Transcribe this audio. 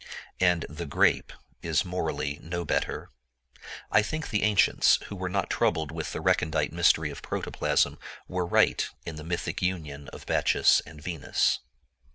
And the grape is morally no better. I think the ancients, who were not troubled with the recondite mystery of protoplasm, were right in the mythic union of Bacchus and Venus.